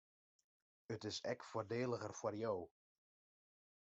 It is ek foardeliger foar jo.